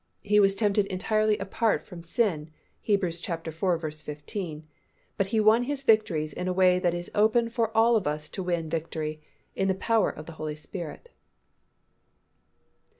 He was tempted entirely apart from sin (Heb. iv. 15), but He won His victories in a way that is open for all of us to win victory, in the power of the Holy Spirit.